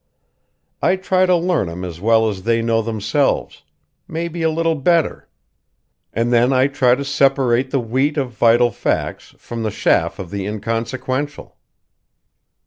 I try to learn 'em as well as they know themselves maybe a little better; and then I try to separate the wheat of vital facts from the chaff of the inconsequential."